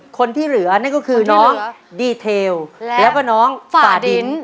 คนที่เหลือนั่นก็คือน้องดีเทลแล้วก็น้องฝ่าดิน